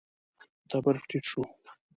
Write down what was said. تبر ټيټ شو.